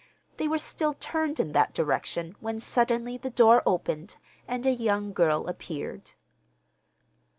They were still turned in that direction when suddenly the door opened and a young girl appeared.